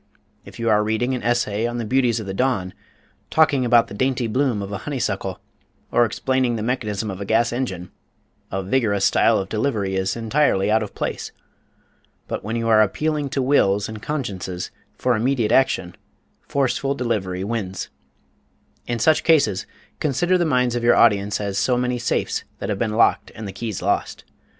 If you are reading an essay on the beauties of the dawn, talking about the dainty bloom of a honey suckle, or explaining the mechanism of a gas engine, a vigorous style of delivery is entirely out of place. But when you are appealing to wills and consciences for immediate action, forceful delivery wins. In such cases, consider the minds of your audience as so many safes that have been locked and the keys lost.